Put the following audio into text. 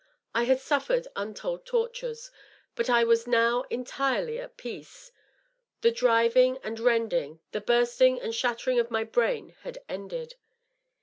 I had suffered untold tortures, but I was now entirely at peace. The driving and rending, the bursting and shattering of my brain had ended.